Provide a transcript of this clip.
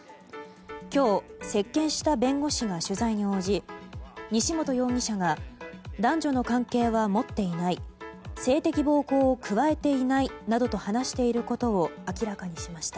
今日、接見した弁護士が取材に応じ西本容疑者が男女の関係は持っていない性的暴行を加えていないなどと話していることを明らかにしました。